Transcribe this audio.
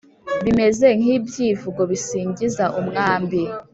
bimeze nk’ibyivugo bisingiza umwambi